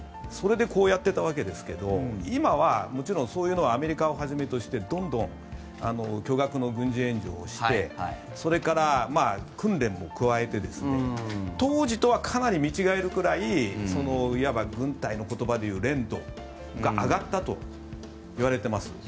それでこうやっていたわけですが今はもちろんそういうのはアメリカをはじめとしてどんどん巨額の軍事援助をしてそれから訓練も加えて当時とはかなり見違えるくらいいわば軍隊の言葉でいう練度が上がったといわれています。